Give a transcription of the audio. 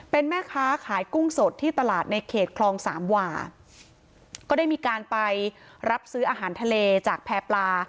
เป็นแม่ค้าขายกุ้งสดที่ตลาดในเขตคลองสามหว่าก็ได้มีการไปรับซื้ออาหารทะเลจากแพร่ปลา